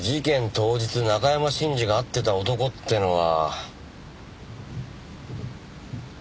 当日中山信二が会ってた男ってのは。